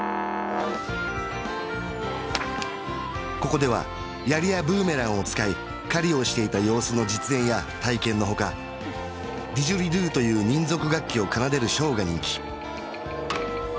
ここではやりやブーメランを使い狩りをしていた様子の実演や体験のほかディジュリドゥという民族楽器を奏でるショーが人気